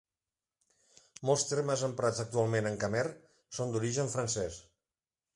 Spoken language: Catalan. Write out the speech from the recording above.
Molts termes emprats actualment en khmer són d'origen francès.